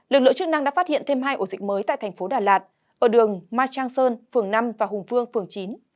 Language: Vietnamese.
lực lượng chức năng đã phát hiện thêm hai ổ dịch mới tại thành phố đà lạt ở đường mai trang sơn phường năm và hùng vương phường chín